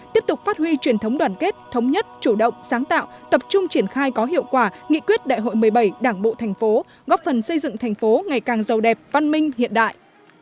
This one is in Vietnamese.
tiếp tục phát huy truyền thống đoàn kết thống nhất chủ động sáng tạo tập trung triển khai có hiệu quả nghị quyết đại hội một mươi bảy đảng bộ thành phố góp phần xây dựng thành phố ngày càng giàu đẹp văn minh hiện đại